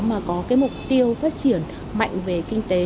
mà có cái mục tiêu phát triển mạnh về kinh tế